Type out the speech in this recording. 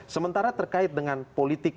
sementara terkait dengan politik